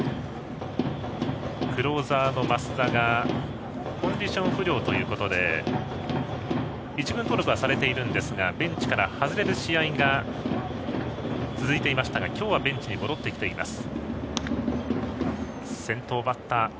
クローザーの益田がコンディション不良ということで１軍登録はされていますがベンチから外れる試合が続いていましたが今日はベンチに戻ってきています。